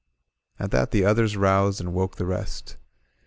At that the others roused, and woke the rest.